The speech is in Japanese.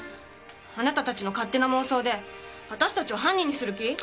あなたたちの勝手な妄想で私たちを犯人にする気？